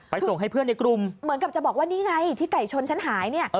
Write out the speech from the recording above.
ส่งให้เพื่อนในกลุ่มเหมือนกับจะบอกว่านี่ไงที่ไก่ชนฉันหายเนี่ย